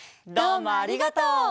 どうもありがとう！